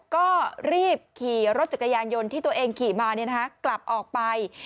ก็รีบขี่รถจักรยานยนต์ที่ตัวเองขี่มากลับออกไป